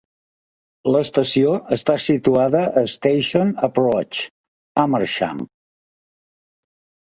L'estació està situada a Station Approach, Amersham.